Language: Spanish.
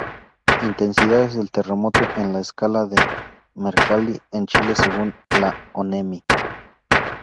Intensidades del terremoto en la escala de Mercalli en Chile según la Onemi.